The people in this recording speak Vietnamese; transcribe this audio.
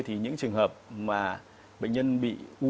thì những trường hợp mà bệnh nhân có thể tìm ra